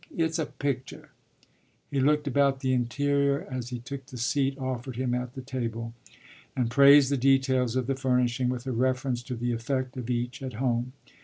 It's a pictur'.” He looked about the interior as he took the seat offered him at the table, and praised the details of the furnishing with a reference to the effect of each at home.